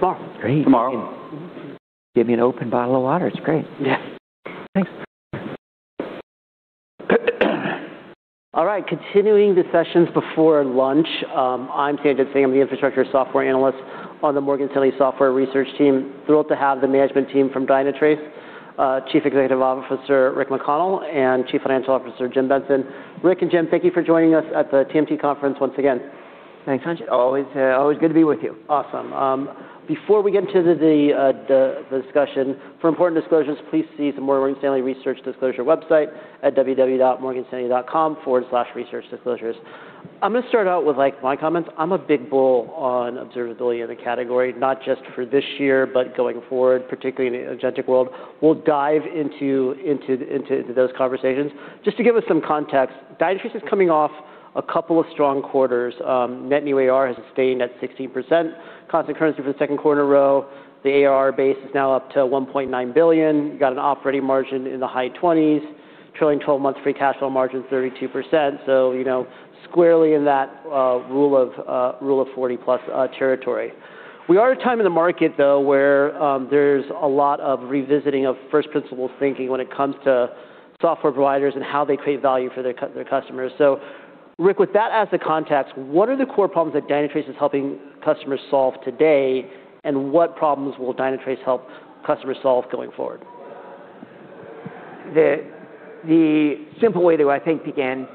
Thanks. All right, continuing the sessions before lunch, I'm Sanjit. I'm the infrastructure software analyst on the Morgan Stanley software research team. Thrilled to have the management team from Dynatrace, Chief Executive Officer, Rick McConnell, and Chief Financial Officer, Jim Benson. Rick and Jim, thank you for joining us at the TMT conference once again. Thanks, Sanjit. Always good to be with you. Awesome. Before we get into the discussion, for important disclosures, please see the Morgan Stanley Research Disclosure website at www.morganstanley.com/researchdisclosures. I'm gonna start out with, like, my comments. I'm a big bull on Observability as a category, not just for this year, but going forward, particularly in the agentic world. We'll dive into those conversations. Just to give us some context, Dynatrace is coming off a couple of strong quarters. Net New ARR has sustained at 16% constant currency for the second quarter in a row. The ARR base is now up to $1.9 billion. Got an operating margin in the high 20s. Trailing twelve-month free cash flow margin is 32%. You know, squarely in that rule of Rule of 40+ territory. We are at a time in the market, though, where, there's a lot of revisiting of first principles thinking when it comes to software providers and how they create value for their customers. Rick, with that as the context, what are the core problems that Dynatrace is helping customers solve today, and what problems will Dynatrace help customers solve going forward? The simple way to, I think, begin,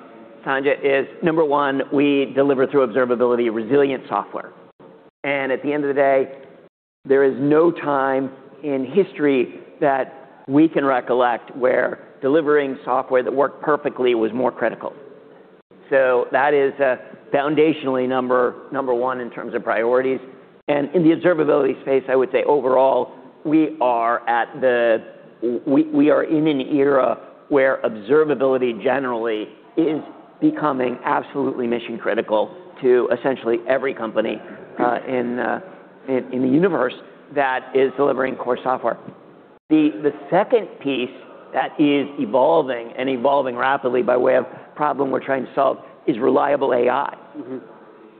Sanjit, is number one, we deliver through observability resilient software. At the end of the day, there is no time in history that we can recollect where delivering software that worked perfectly was more critical. That is foundationally number one in terms of priorities. In the observability space, I would say overall, we are in an era where observability generally is becoming absolutely mission-critical to essentially every company in the universe that is delivering core software. The second piece that is evolving and evolving rapidly by way of problem we're trying to solve is reliable AI. Mm-hmm.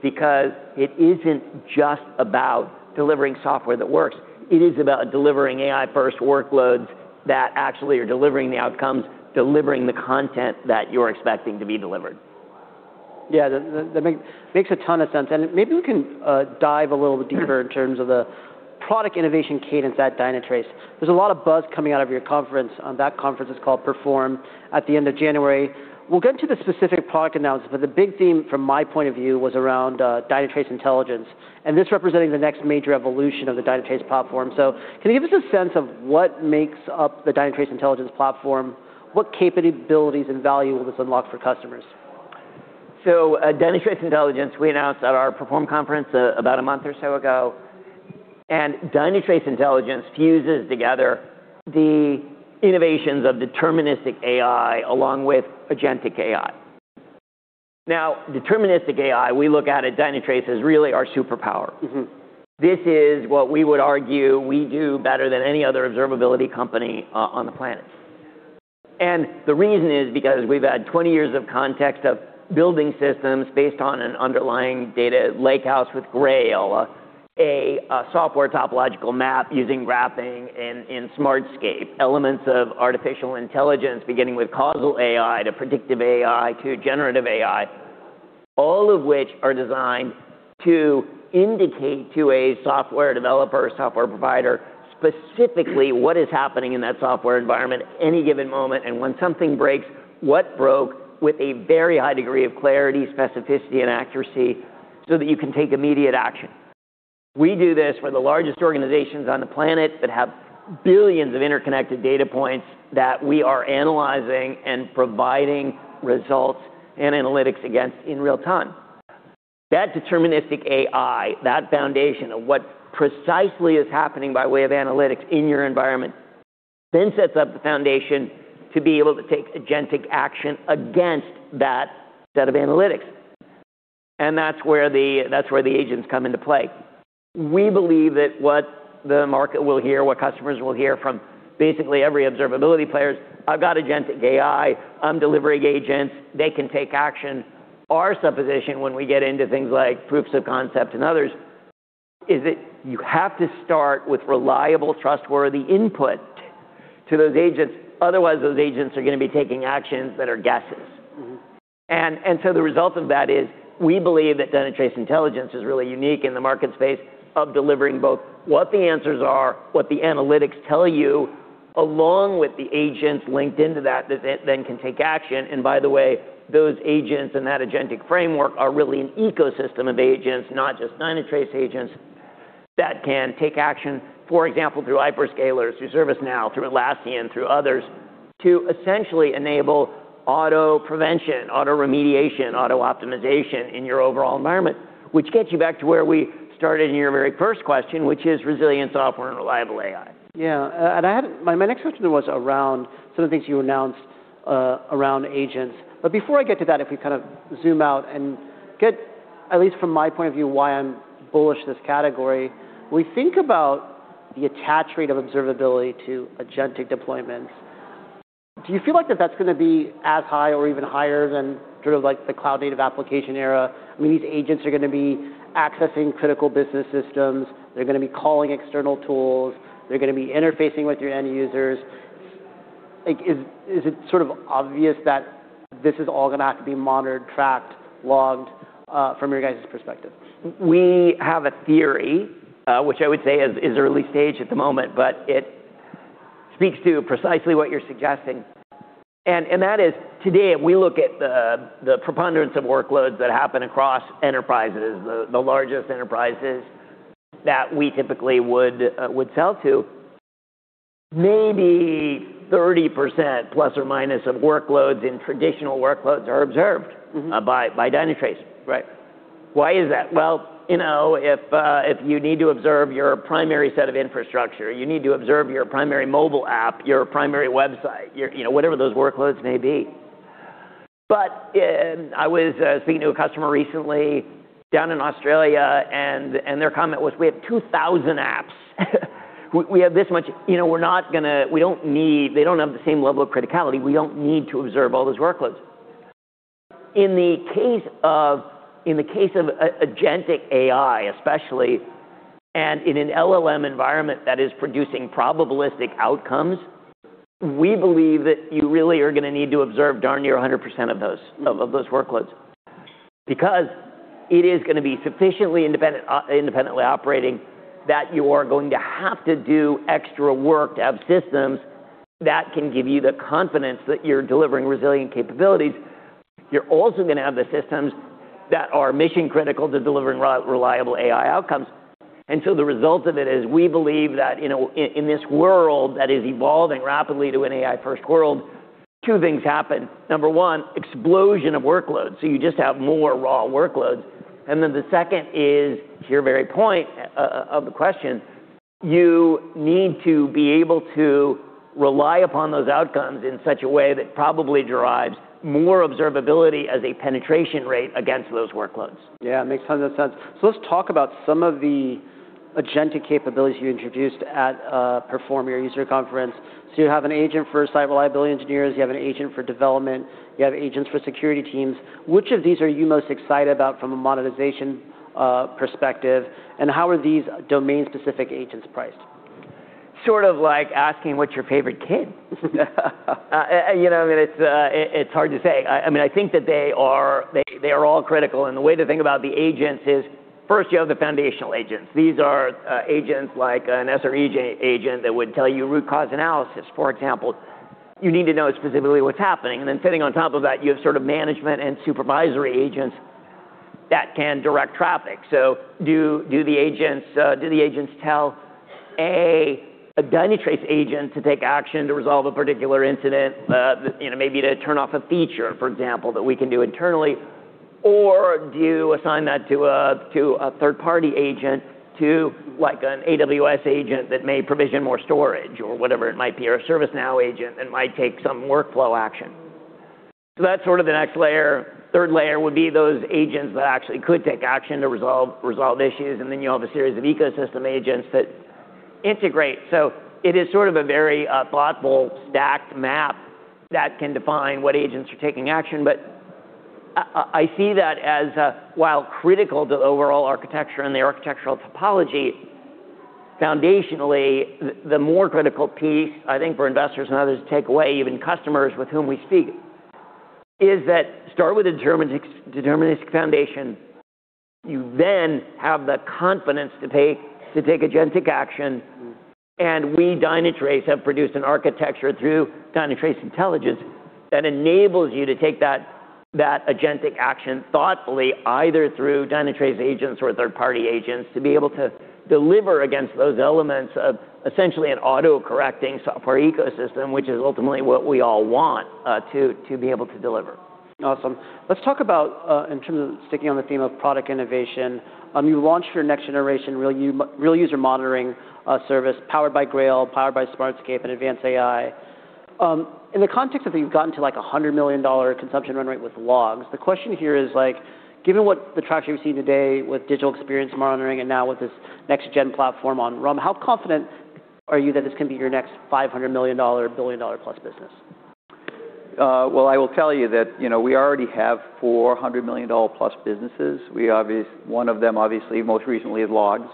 It isn't just about delivering software that works. It is about delivering AI-first workloads that actually are delivering the outcomes, delivering the content that you're expecting to be delivered. Yeah. That makes a ton of sense. Maybe we can dive a little deeper in terms of the product innovation cadence at Dynatrace. There's a lot of buzz coming out of your conference. That conference is called Perform at the end of January. We'll get into the specific product announcements. The big theme from my point of view was around Dynatrace Intelligence, and this representing the next major evolution of the Dynatrace platform. Can you give us a sense of what makes up the Dynatrace Intelligence platform? What capabilities and value will this unlock for customers? At Dynatrace Intelligence, we announced at our Perform conference about a month or so ago. Dynatrace Intelligence fuses together the innovations of deterministic AI along with agentic AI. Deterministic AI, we look at Dynatrace as really our superpower. Mm-hmm. This is what we would argue we do better than any other observability company on the planet. The reason is because we've had 20 years of context of building systems based on an underlying data lakehouse with Grail, a software topological map using graphing in Smartscape, elements of artificial intelligence beginning with causal AI to predictive AI to generative AI, all of which are designed to indicate to a software developer or software provider specifically what is happening in that software environment any given moment, and when something breaks, what broke with a very high degree of clarity, specificity, and accuracy so that you can take immediate action. We do this for the largest organizations on the planet that have billions of interconnected data points that we are analyzing and providing results and analytics against in real time. That deterministic AI, that foundation of what precisely is happening by way of analytics in your environment then sets up the foundation to be able to take agentic action against that set of analytics. That's where the agents come into play. We believe that what the market will hear, what customers will hear from basically every observability players, "I've got agentic AI. I'm delivering agents. They can take action." Our supposition when we get into things like proofs of concept and others is that you have to start with reliable, trustworthy input to those agents. Otherwise, those agents are gonna be taking actions that are guesses. Mm-hmm. The result of that is we believe that Dynatrace Intelligence is really unique in the market space of delivering both what the answers are, what the analytics tell you, along with the agents linked into that then can take action. By the way, those agents and that agentic framework are really an ecosystem of agents, not just Dynatrace agents, that can take action, for example, through hyperscalers, through ServiceNow, through Atlassian, through others, to essentially enable Auto-Prevention, Auto-Remediation, Auto-Optimization in your overall environment, which gets you back to where we started in your very first question, which is resilient software and reliable AI. Yeah. My next question was around some of the things you announced around agents. Before I get to that, if we kind of zoom out and get at least from my point of view why I'm bullish this category, we think about the attach rate of observability to agentic deployments. Do you feel like that's gonna be as high or even higher than sort of like the cloud-native application era? I mean, these agents are gonna be accessing critical business systems. They're gonna be calling external tools. They're gonna be interfacing with your end users. Like, is it sort of obvious that this is all gonna have to be monitored, tracked, logged, from your guys' perspective? We have a theory, which I would say is early stage at the moment, but it speaks to precisely what you're suggesting. That is today, if we look at the preponderance of workloads that happen across enterprises, the largest enterprises that we typically would sell to, maybe 30%± of workloads in traditional workloads are observed-. Mm-hmm. by Dynatrace. Right. Why is that? Well, you know, if you need to observe your primary set of infrastructure, you need to observe your primary mobile app, your primary website, your, you know, whatever those workloads may be. I was speaking to a customer recently down in Australia and their comment was, "We have 2,000 apps. We have this much. You know, they don't have the same level of criticality. We don't need to observe all those workloads." In the case of agentic AI especially, and in an LLM environment that is producing probabilistic outcomes, we believe that you really are gonna need to observe darn near 100% of those workloads. Because it is gonna be sufficiently independent, independently operating that you are going to have to do extra work to have systems that can give you the confidence that you're delivering resilient capabilities. You're also gonna have the systems that are mission-critical to delivering reliable AI outcomes. The result of it is we believe that, you know, in this world that is evolving rapidly to an AI-first world, two things happen. Number one, explosion of workloads. You just have more raw workloads. Then the second is, to your very point of the question, you need to be able to rely upon those outcomes in such a way that probably derives more observability as a penetration rate against those workloads. Yeah. Makes tons of sense. Let's talk about some of the agentic capabilities you introduced at Perform, your user conference. You have an agent for site reliability engineers. You have an agent for development. You have agents for security teams. Which of these are you most excited about from a monetization perspective, and how are these domain-specific agents priced? Sort of like asking what's your favorite kid. You know, I mean, it's hard to say. I mean, I think that they are all critical. The way to think about the agents is first you have the foundational agents. These are agents like an SRE agent that would tell you root cause analysis, for example. You need to know specifically what's happening. Sitting on top of that, you have sort of management and supervisory agents that can direct traffic. Do the agents tell a Dynatrace agent to take action to resolve a particular incident, you know, maybe to turn off a feature, for example, that we can do internally? Or do you assign that to a third-party agent to like an AWS agent that may provision more storage or whatever it might be, or a ServiceNow agent that might take some workflow action. That's sort of the next layer. Third layer would be those agents that actually could take action to resolve issues. You have a series of ecosystem agents that integrate. It is sort of a very thoughtful stacked map that can define what agents are taking action. I see that as while critical to overall architecture and the architectural topology, foundationally, the more critical piece, I think, for investors and others to take away, even customers with whom we speak, is that start with a deterministic foundation. You then have the confidence to take agentic action. We, Dynatrace, have produced an architecture through Dynatrace Intelligence that enables you to take that agentic action thoughtfully, either through Dynatrace agents or third-party agents, to be able to deliver against those elements of essentially an auto-correcting software ecosystem, which is ultimately what we all want, to be able to deliver. Awesome. Let's talk about in terms of sticking on the theme of product innovation, you launched your next generation Real User Monitoring service powered by Grail, powered by Smartscape and Advanced AI. In the context of you've gotten to like a $100 million consumption run rate with Logs, the question here is like, given what the traction you're seeing today with Digital Experience Monitoring and now with this next-gen platform on RUM, how confident are you that this can be your next $500 million, $1 billion+ business? Well, I will tell you that, you know, we already have $400 million+ businesses. One of them obviously most recently is Logs.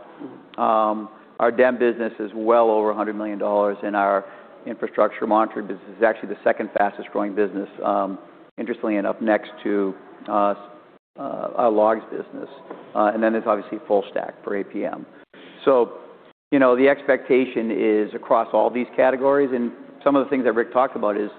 Our DEM business is well over $100 million, and our Infrastructure Monitoring business is actually the second fastest growing business, interestingly enough, next to our Logs business. There's obviously Full-Stack for APM. You know, the expectation is across all these categories, and some of the things that Rick talked about is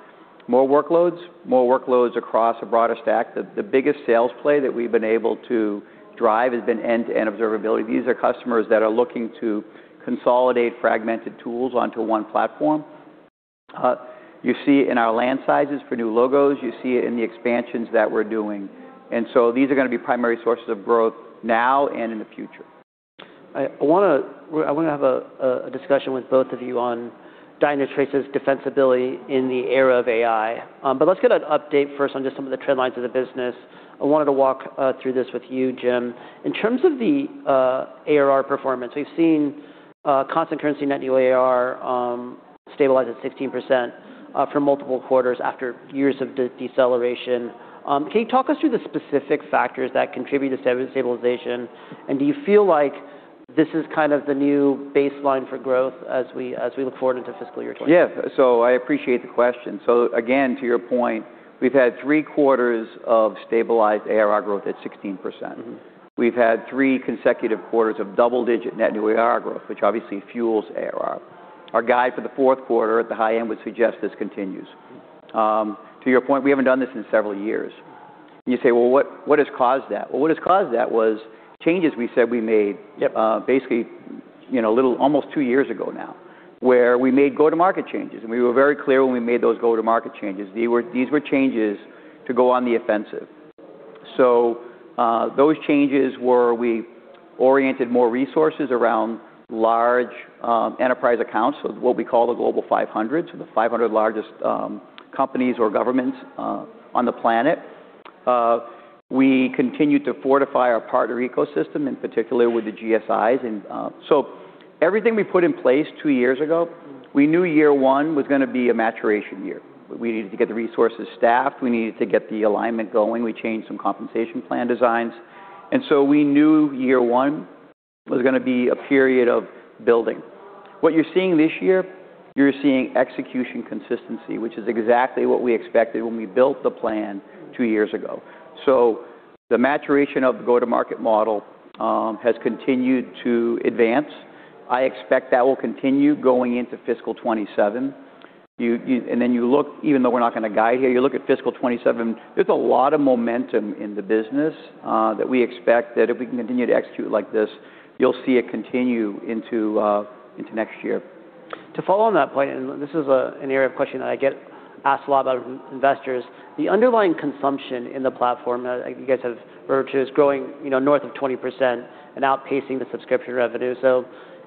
more workloads, more workloads across a broader stack. The biggest sales play that we've been able to drive has been end-to-end Observability. These are customers that are looking to consolidate fragmented tools onto one platform. You see it in our land sizes for new logos. You see it in the expansions that we're doing. These are gonna be primary sources of growth now and in the future. I wanna have a discussion with both of you on Dynatrace's defensibility in the era of AI. Let's get an update first on just some of the trendlines of the business. I wanted to walk through this with you, Jim. In terms of the ARR performance, we've seen constant currency net new ARR stabilize at 16% for multiple quarters after years of deceleration. Can you talk us through the specific factors that contribute to stabilization? Do you feel like this is kind of the new baseline for growth as we look forward into fiscal year 2026? Yeah. I appreciate the question. Again, to your point, we've had three quarters of stabilized ARR growth at 16%. Mm-hmm. We've had three consecutive quarters of double-digit Net New ARR growth, which obviously fuels ARR. Our guide for the fourth quarter at the high end would suggest this continues. To your point, we haven't done this in several years. You say, "Well, what has caused that?" Well, what has caused that was changes we said we made. Yep Basically, you know, a little almost two years ago now, where we made go-to-market changes. We were very clear when we made those go-to-market changes. These were changes to go on the offensive. Those changes were we oriented more resources around large enterprise accounts, so what we call the Global 500, so the 500 largest companies or governments on the planet. We continued to fortify our partner ecosystem, in particular with the GSIs. Everything we put in place two years ago, we knew year 1 was gonna be a maturation year. We needed to get the resources staffed. We needed to get the alignment going. We changed some compensation plan designs. We knew year 1 was gonna be a period of building. What you're seeing this year, you're seeing execution consistency, which is exactly what we expected when we built the plan two years ago. The maturation of the go-to-market model has continued to advance. I expect that will continue going into fiscal 2027. Even though we're not going to guide here, you look at fiscal 2027, there's a lot of momentum in the business that we expect that if we can continue to execute like this, you'll see it continue into next year. To follow on that point, this is, an area of question that I get asked a lot by investors. The underlying consumption in the platform, you guys have referred to, is growing, you know, north of 20% and outpacing the subscription revenue.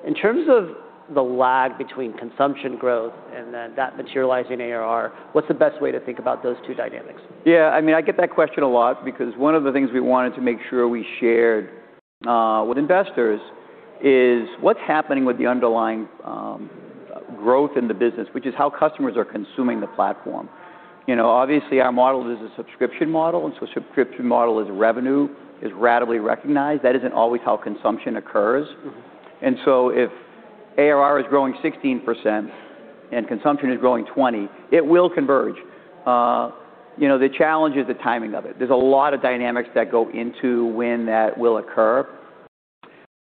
In terms of the lag between consumption growth and then that materializing ARR, what's the best way to think about those two dynamics? Yeah. I mean, I get that question a lot because one of the things we wanted to make sure we shared with investors is what's happening with the underlying growth in the business, which is how customers are consuming the platform. You know, obviously our model is a subscription model, and so subscription model is revenue is ratably recognized. That isn't always how consumption occurs. Mm-hmm. If ARR is growing 16% and consumption is growing 20%, it will converge. You know, the challenge is the timing of it. There's a lot of dynamics that go into when that will occur.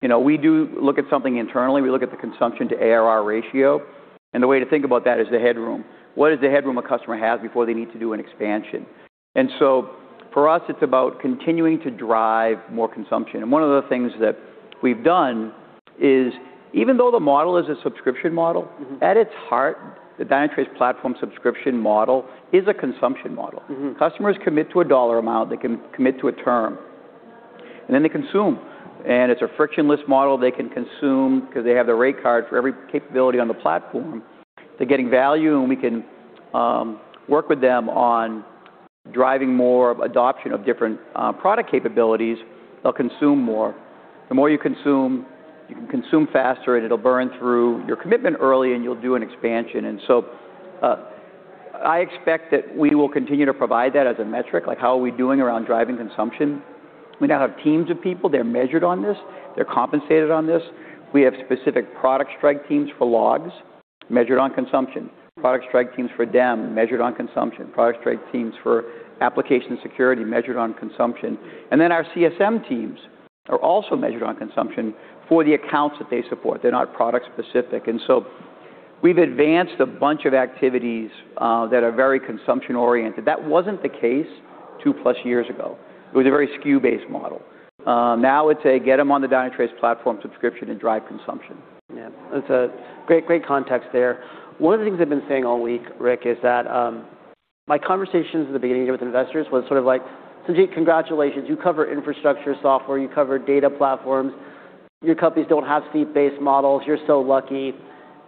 You know, we do look at something internally. We look at the consumption-to-ARR ratio, and the way to think about that is the headroom. What is the headroom a customer has before they need to do an expansion? For us, it's about continuing to drive more consumption. One of the things that we've done is even though the model is a subscription model. Mm-hmm At its heart, the Dynatrace Platform Subscription model is a consumption model. Mm-hmm. Customers commit to a dollar amount. They can commit to a term, and then they consume. It's a frictionless model. They can consume 'cause they have the rate card for every capability on the platform. They're getting value. We can work with them on driving more adoption of different product capabilities. They'll consume more. The more you consume, you can consume faster. It'll burn through your commitment early, and you'll do an expansion. I expect that we will continue to provide that as a metric, like how are we doing around driving consumption. We now have teams of people. They're measured on this. They're compensated on this. We have specific product strike teams for Logs measured on consumption, product strike teams for DEM measured on consumption, product strike teams for Application Security measured on consumption. Our CSM teams are also measured on consumption for the accounts that they support. They're not product specific. We've advanced a bunch of activities that are very consumption oriented. That wasn't the case two+ years ago. It was a very SKU-based model. Now it's a get 'em on the Dynatrace Platform Subscription and drive consumption. That's a great context there. One of the things I've been saying all week, Rick, is that my conversations at the beginning with investors was sort of like, "Sanjit, congratulations. You cover infrastructure software. You cover data platforms. Your companies don't have seat-based models. You're so lucky."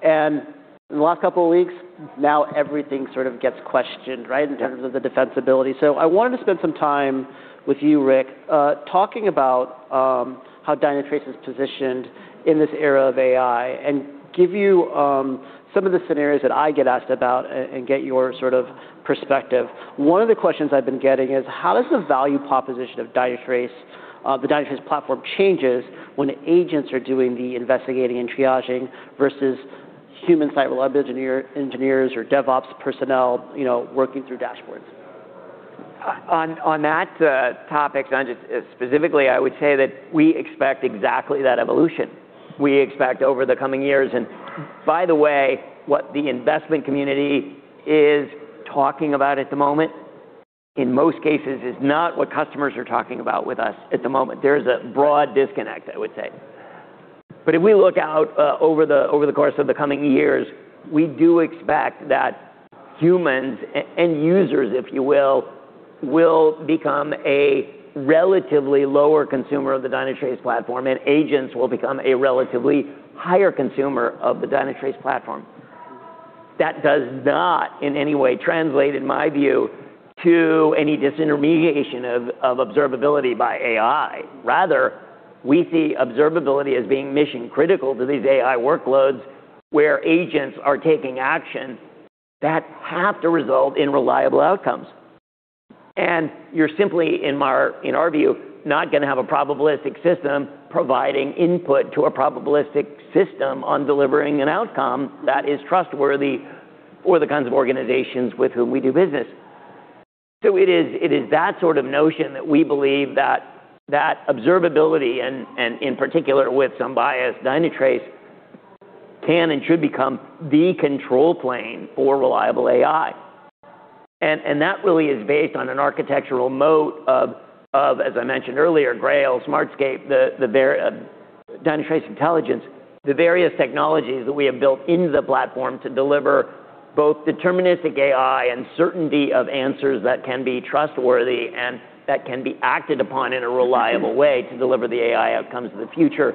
In the last couple of weeks, now everything sort of gets questioned, right, in terms of the defensibility. I wanted to spend some time with you, Rick, talking about how Dynatrace is positioned in this era of AI and give you some of the scenarios that I get asked about and get your sort of perspective. One of the questions I've been getting is: How does the value proposition of Dynatrace, the Dynatrace platform changes when agents are doing the investigating and triaging versus human site reliability engineers or DevOps personnel, you know, working through dashboards? On that topic, Sanjit, specifically, I would say that we expect exactly that evolution. We expect over the coming years. By the way, what the investment community is talking about at the moment, in most cases, is not what customers are talking about with us at the moment. There's a broad disconnect, I would say. If we look out over the course of the coming years, we do expect that. Humans and users, if you will become a relatively lower consumer of the Dynatrace platform, and agents will become a relatively higher consumer of the Dynatrace platform. That does not in any way translate, in my view, to any disintermediation of Observability by AI. Rather, we see Observability as being mission-critical to these AI workloads where agents are taking action that have to result in reliable outcomes. You're simply, in our, in our view, not gonna have a probabilistic system providing input to a probabilistic system on delivering an outcome that is trustworthy for the kinds of organizations with whom we do business. It is that sort of notion that we believe that Observability and in particular with some bias Dynatrace can and should become the control plane for reliable AI. That really is based on an architectural moat of, as I mentioned earlier, Grail, Smartscape, Dynatrace Intelligence, the various technologies that we have built into the platform to deliver both deterministic AI and certainty of answers that can be trustworthy and that can be acted upon in a reliable way to deliver the AI outcomes of the future.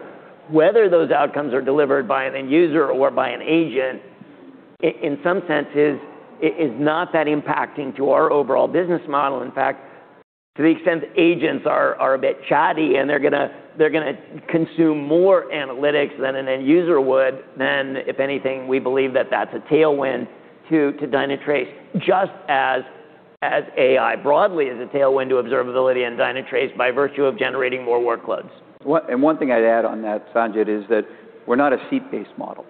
Whether those outcomes are delivered by an end user or by an agent in some senses is not that impacting to our overall business model. In fact, to the extent agents are a bit chatty and they're gonna consume more analytics than an end user would, then if anything, we believe that that's a tailwind to Dynatrace, just as AI broadly is a tailwind to observability and Dynatrace by virtue of generating more workloads. One thing I'd add on that, Sanjit, is that we're not a seat-based model.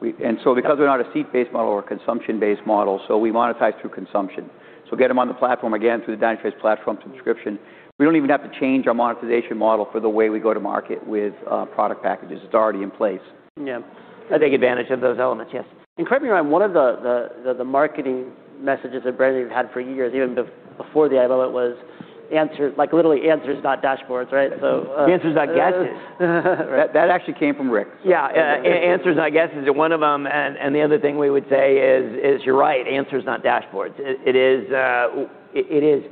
Because we're not a seat-based model or a consumption-based model, so we monetize through consumption. Get them on the platform again through the Dynatrace Platform Subscription. We don't even have to change our monetization model for the way we go to market with product packages. It's already in place. Yeah. Take advantage of those elements, yes. Correct me if I'm wrong, one of the marketing messages that Bradley have had for years, even before the AI moment was like literally answers, not dashboards, right? Answers, not guesses. That actually came from Rick. Yeah. answers, not guesses are one of them. The other thing we would say is, you're right, answers, not dashboards. It is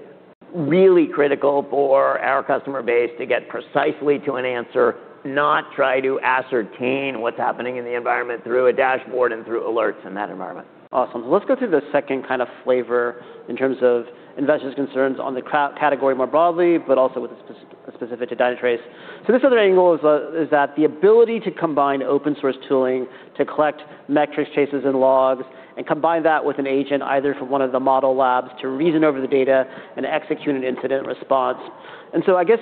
really critical for our customer base to get precisely to an answer, not try to ascertain what's happening in the environment through a dashboard and through alerts in that environment. Awesome. Let's go to the second kind of flavor in terms of investors' concerns on the category more broadly, but also with specific to Dynatrace. This other angle is that the ability to combine open-source tooling to collect metrics, traces, and Logs, and combine that with an agent, either from one of the model labs, to reason over the data and execute an incident response. I guess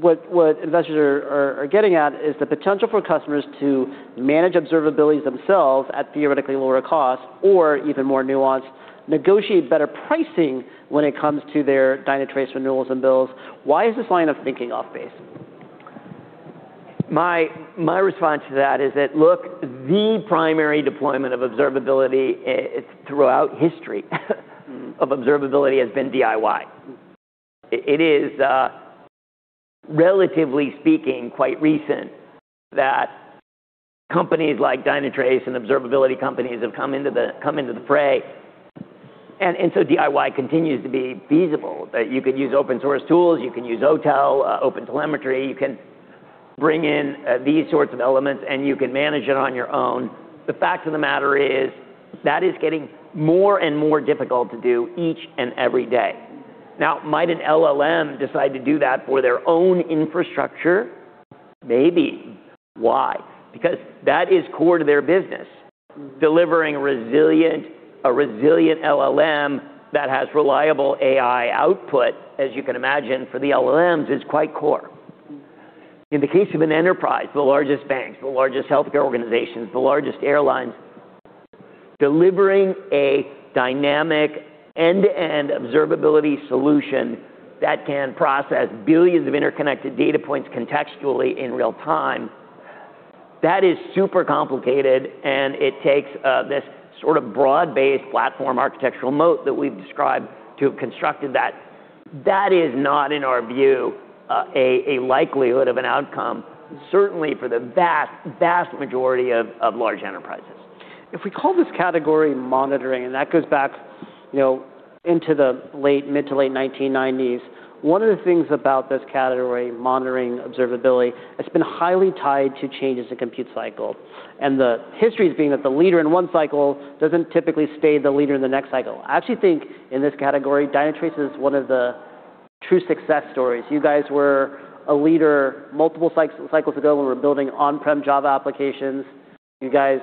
what investors are getting at is the potential for customers to manage Observability themselves at theoretically lower cost or even more nuanced, negotiate better pricing when it comes to their Dynatrace renewals and bills. Why is this line of thinking off base? My response to that is that, look, the primary deployment of observability throughout history of observability has been DIY. It is relatively speaking, quite recent that companies like Dynatrace and observability companies have come into the fray. DIY continues to be feasible, that you could use open source tools, you can use OTel, OpenTelemetry, you can bring in these sorts of elements, and you can manage it on your own. The fact of the matter is that is getting more and more difficult to do each and every day. Now, might an LLM decide to do that for their own infrastructure? Maybe. Why? Because that is core to their business. Delivering a resilient LLM that has reliable AI output, as you can imagine, for the LLMs is quite core. In the case of an enterprise, the largest banks, the largest healthcare organizations, the largest airlines, delivering a dynamic end-to-end observability solution that can process billions of interconnected data points contextually in real time, that is super complicated, and it takes this sort of broad-based platform architectural moat that we've described to have constructed that. That is not, in our view, a likelihood of an outcome, certainly for the vast majority of large enterprises. If we call this category monitoring, that goes back, you know, into the late-mid to late 1990s, one of the things about this category, monitoring, observability, it's been highly tied to changes in compute cycle. The history has been that the leader in one cycle doesn't typically stay the leader in the next cycle. I actually think in this category, Dynatrace is one of the true success stories. You guys were a leader multiple cycles ago when we were building on-prem Java applications. You guys,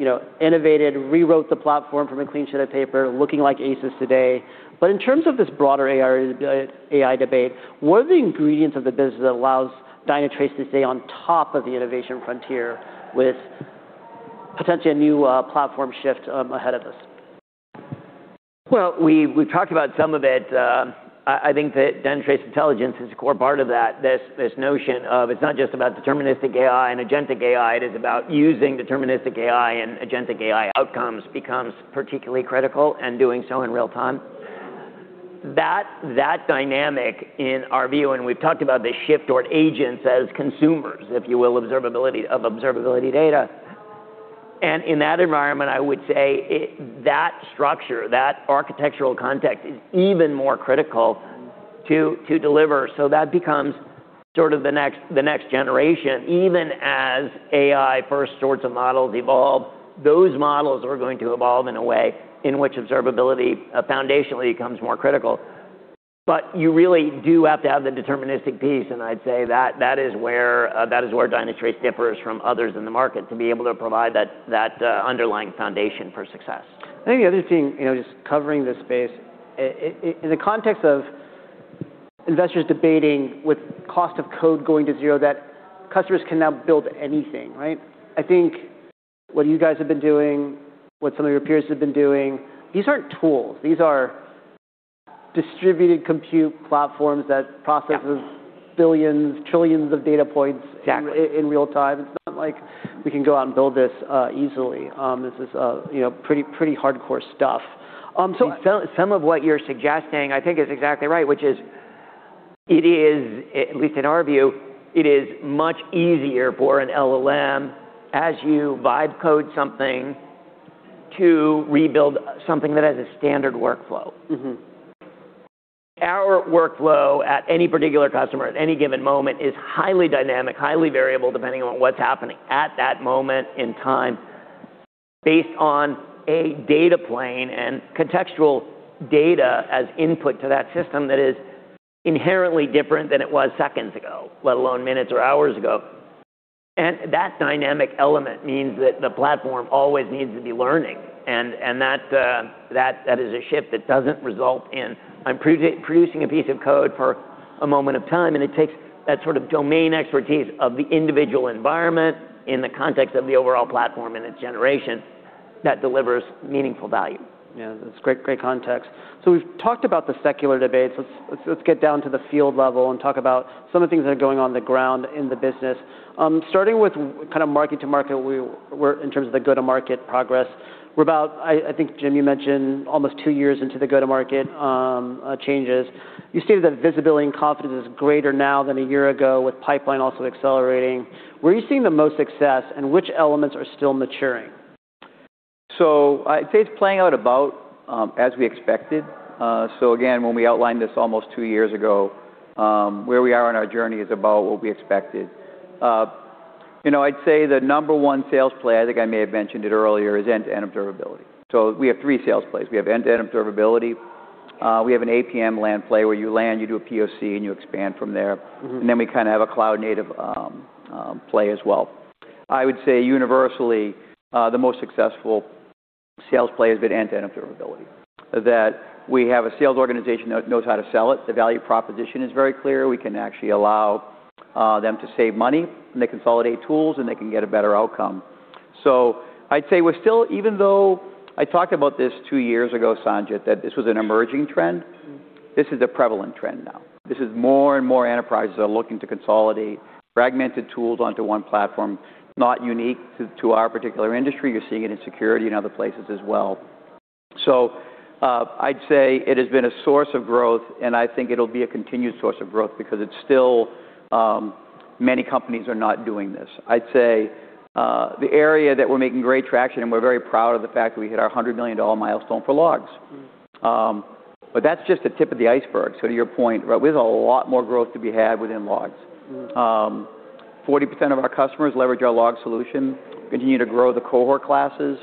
you know, innovated, rewrote the platform from a clean sheet of paper, looking like aces today. In terms of this broader AI debate, what are the ingredients of the business that allows Dynatrace to stay on top of the innovation frontier with potentially a new platform shift ahead of us? Well, we've talked about some of it. I think that Dynatrace Intelligence is a core part of that. This notion of it's not just about deterministic AI and agentic AI, it is about using deterministic AI and agentic AI outcomes becomes particularly critical and doing so in real time. That dynamic in our view, we've talked about the shift toward agents as consumers, if you will, observability of observability data. In that environment, I would say that structure, that architectural context is even more critical to deliver. That becomes sort of the next generation. Even as AI first sorts of models evolve, those models are going to evolve in a way in which observability foundationally becomes more critical. You really do have to have the deterministic piece, and I'd say that is where that is where Dynatrace differs from others in the market, to be able to provide that underlying foundation for success. I think the other thing, you know, just covering this space in the context of investors debating with cost of code going to zero, that customers can now build anything, right? I think what you guys have been doing, what some of your peers have been doing, these aren't tools. These are distributed compute platforms that processes billions, trillions of data points... Exactly In real time. It's not like we can go out and build this easily. This is, you know, pretty hardcore stuff. Yeah Some of what you're suggesting I think is exactly right, which is it is, at least in our view, it is much easier for an LLM as you vibe coding something to rebuild something that has a standard workflow. Our workflow at any particular customer at any given moment is highly dynamic, highly variable, depending on what's happening at that moment in time based on a data plane and contextual data as input to that system that is inherently different than it was seconds ago, let alone minutes or hours ago. That dynamic element means that the platform always needs to be learning and that is a shift that doesn't result in I'm producing a piece of code for a moment of time, and it takes that sort of domain expertise of the individual environment in the context of the overall platform and its generation that delivers meaningful value. Yeah. That's great context. We've talked about the secular debates. Let's get down to the field level and talk about some of the things that are going on the ground in the business. Starting with kind of market to market, we're in terms of the go-to-market progress. We're about, I think, Jim, you mentioned almost two years into the go-to-market changes. You stated that visibility and confidence is greater now than a year ago with pipeline also accelerating. Where are you seeing the most success and which elements are still maturing? I'd say it's playing out about as we expected. Again, when we outlined this almost two years ago, where we are on our journey is about what we expected. You know, I'd say the number 1 sales play, I think I may have mentioned it earlier, is end-to-end observability. We have three sales plays. We have end-to-end observability. We have an APM land play where you land, you do a POC, and you expand from there. Mm-hmm. We kinda have a cloud-native play as well. I would say universally, the most successful sales play has been end-to-end Observability, that we have a sales organization that knows how to sell it. The value proposition is very clear. We can actually allow them to save money, and they consolidate tools, and they can get a better outcome. I'd say we're still even though I talked about this two years ago, Sanjit, that this was an emerging trend. Mm-hmm This is a prevalent trend now. This is more and more enterprises are looking to consolidate fragmented tools onto one platform, not unique to our particular industry. You're seeing it in security and other places as well. I'd say it has been a source of growth, and I think it'll be a continued source of growth because it's still many companies are not doing this. I'd say the area that we're making great traction, and we're very proud of the fact that we hit our $100 million milestone for Logs. That's just the tip of the iceberg. To your point, right, we have a lot more growth to be had within Logs. 40% of our customers leverage our Logs solution, continue to grow the cohort classes.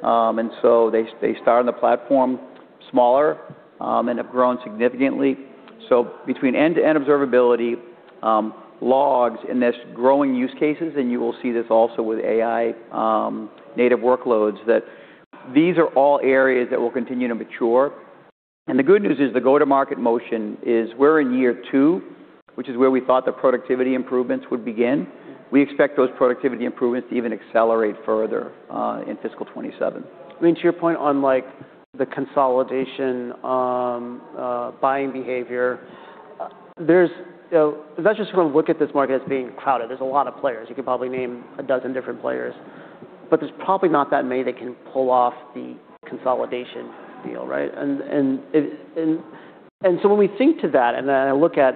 They start on the platform smaller, and have grown significantly. Between end-to-end observability, Logs in this growing use cases, and you will see this also with AI, native workloads that these are all areas that will continue to mature. The good news is the go-to-market motion is we're in year two, which is where we thought the productivity improvements would begin. We expect those productivity improvements to even accelerate further in fiscal 2027. I mean, to your point on like the consolidation, buying behavior, there's, you know, investors wanna look at this market as being crowded. There's a lot of players. You could probably name a dozen different players, but there's probably not that many that can pull off the consolidation deal, right? When we think to that, and then I look at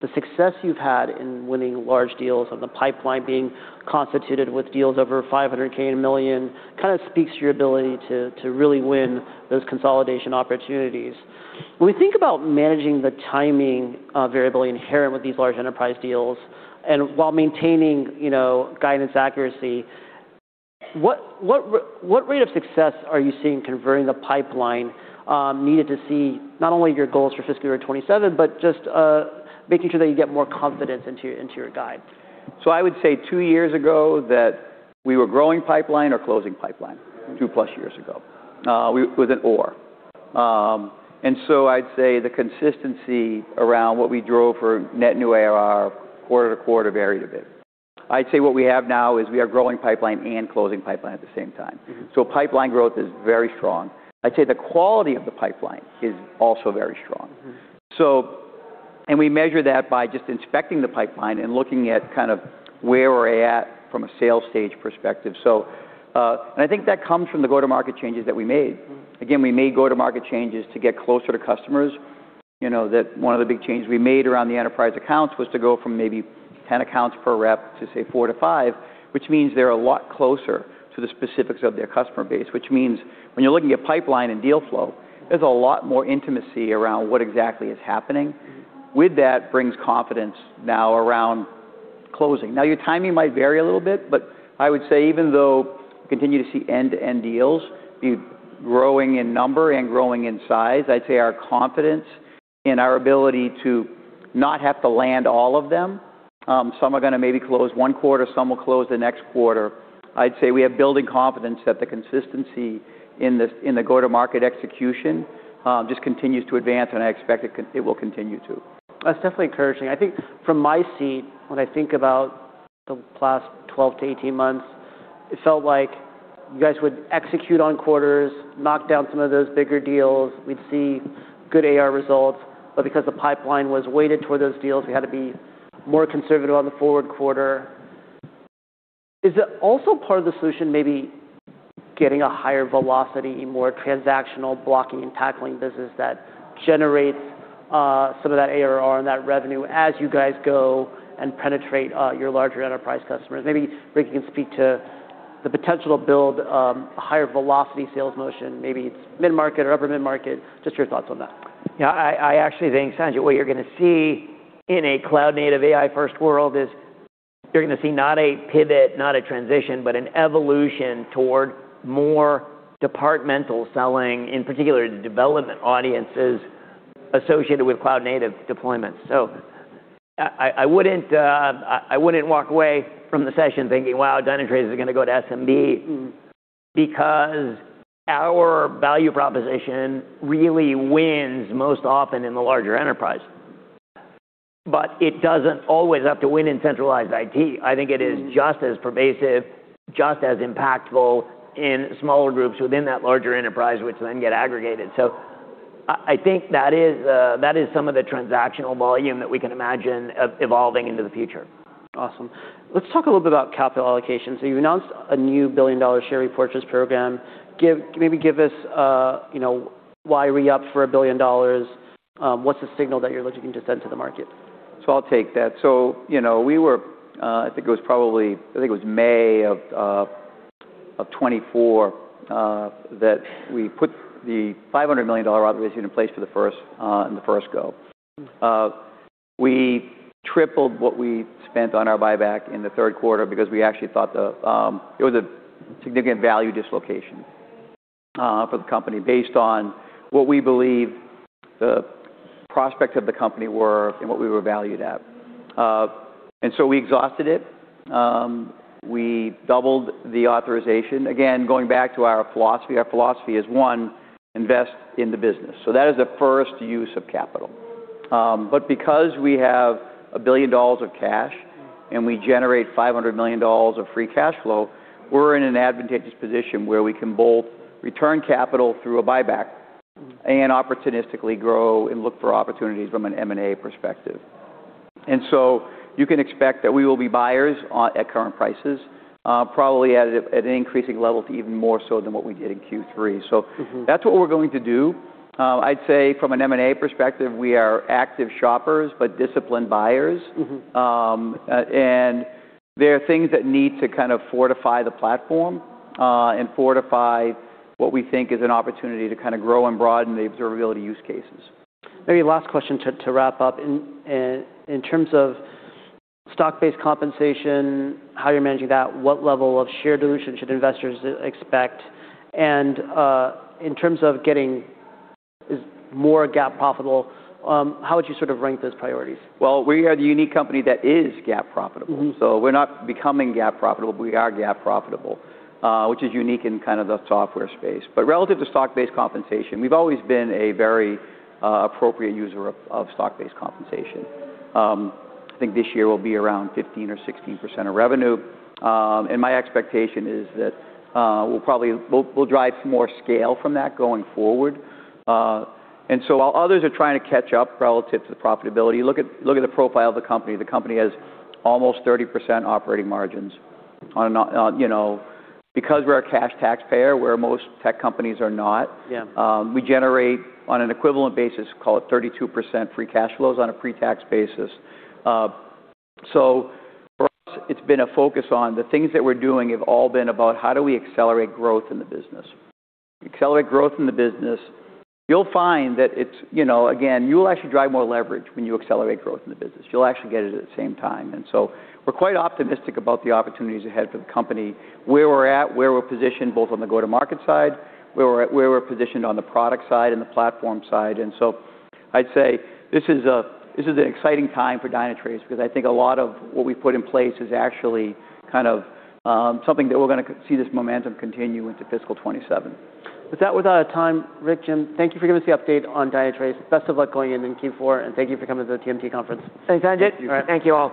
the success you've had in winning large deals and the pipeline being constituted with deals over $500K and $1 million kind of speaks to your ability to really win those consolidation opportunities. When we think about managing the timing, variable inherent with these large enterprise deals and while maintaining, you know, guidance accuracy, what rate of success are you seeing converting the pipeline, needed to see not only your goals for fiscal year 27, but just, making sure that you get more confidence into your, into your guide? I would say two years ago that we were growing pipeline or closing pipeline, two+ years ago. With an or. I'd say the consistency around what we drove for Net New ARR quarter-to-quarter varied a bit. I'd say what we have now is we are growing pipeline and closing pipeline at the same time. Mm-hmm. Pipeline growth is very strong. I'd say the quality of the pipeline is also very strong. Mm-hmm. We measure that by just inspecting the pipeline and looking at kind of where we're at from a sales stage perspective. I think that comes from the go-to-market changes that we made. Mm-hmm. Again, we made go-to-market changes to get closer to customers. You know that one of the big changes we made around the enterprise accounts was to go from maybe 10 accounts per rep to, say, four to five, which means they're a lot closer to the specifics of their customer base, which means when you're looking at pipeline and deal flow, there's a lot more intimacy around what exactly is happening. Mm-hmm. With that brings confidence now around closing. Your timing might vary a little bit, but I would say even though we continue to see end-to-end deals be growing in number and growing in size, I'd say our confidence in our ability to not have to land all of them, some are gonna maybe close 1 quarter, some will close the next quarter. I'd say we have building confidence that the consistency in the go-to-market execution just continues to advance, and I expect it will continue to. That's definitely encouraging. I think from my seat, when I think about the last 12-18 months, it felt like you guys would execute on quarters, knock down some of those bigger deals. We'd see good ARR results, because the pipeline was weighted toward those deals, we had to be more conservative on the forward quarter. Is it also part of the solution maybe getting a higher velocity, more transactional blocking and tackling business that generates some of that ARR and that revenue as you guys go and penetrate your larger enterprise customers? Maybe, Rick, you can speak to the potential to build a higher velocity sales motion. Maybe it's mid-market or upper mid-market. Just your thoughts on that. Yeah. I actually think, Sanjay, what you're gonna see in a cloud-native, AI-first world is you're gonna see not a pivot, not a transition, but an evolution toward more departmental selling, in particular the development audiences associated with cloud-native deployments. I wouldn't, I wouldn't walk away from the session thinking, "Wow, Dynatrace is gonna go to SMB. Mm-hmm. Our value proposition really wins most often in the larger enterprise." It doesn't always have to win in centralized IT. Mm-hmm. I think it is just as pervasive, just as impactful in smaller groups within that larger enterprise, which then get aggregated. I think that is some of the transactional volume that we can imagine evolving into the future. Awesome. Let's talk a little bit about capital allocation. You've announced a new billion-dollar share repurchase program. Maybe give us, you know, why re-up for $1 billion. What's the signal that you're looking to send to the market? I'll take that. You know, we were, I think it was probably, I think it was May of 2024, that we put the $500 million authorization in place for the first, in the first go. We tripled what we spent on our buyback in the third quarter because we actually thought the, it was a significant value dislocation, for the company based on what we believe the prospects of the company were and what we were valued at. We exhausted it. We doubled the authorization. Again, going back to our philosophy, our philosophy is, 1, invest in the business. That is the first use of capital. Because we have $1 billion of cash- Mm-hmm. We generate $500 million of free cash flow, we're in an advantageous position where we can both return capital through a buyback. Opportunistically grow and look for opportunities from an M&A perspective. You can expect that we will be buyers on, at current prices, probably at an increasing level to even more so than what we did in Q3. That's what we're going to do. I'd say from an M&A perspective, we are active shoppers, but disciplined buyers. There are things that need to kind of fortify the platform, and fortify what we think is an opportunity to kinda grow and broaden the observability use cases. Maybe last question to wrap up. In terms of stock-based compensation, how you're managing that, what level of share dilution should investors expect? In terms of getting more GAAP profitable, how would you sort of rank those priorities? Well, we are the unique company that is GAAP profitable. Mm-hmm. We're not becoming GAAP profitable. We are GAAP profitable, which is unique in kind of the software space. Relative to stock-based compensation, we've always been a very appropriate user of stock-based compensation. I think this year will be around 15% or 16% of revenue. My expectation is that we'll drive more scale from that going forward. While others are trying to catch up relative to the profitability, look at the profile of the company. The company has almost 30% operating margins on a, on, you know, because we're a cash taxpayer, where most tech companies are not. Yeah. We generate, on an equivalent basis, call it 32% free cash flows on a pre-tax basis. For us, it's been a focus on the things that we're doing have all been about how do we accelerate growth in the business. Accelerate growth in the business, you'll find that it's, you know, again, you'll actually drive more leverage when you accelerate growth in the business. You'll actually get it at the same time. We're quite optimistic about the opportunities ahead for the company, where we're at, where we're positioned, both on the go-to-market side, where we're at, where we're positioned on the product side and the platform side. I'd say this is an exciting time for Dynatrace because I think a lot of what we've put in place is actually kind of something that we're gonna see this momentum continue into fiscal 2027. With that, we're out of time. Rick, Jim, thank you for giving us the update on Dynatrace. Best of luck going into Q4, and thank you for coming to the TMT conference. Thanks, Sanjay. Thank you. All right. Thank you all.